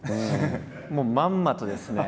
もうまんまとですね